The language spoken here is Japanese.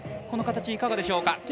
この形いかがでしょうか？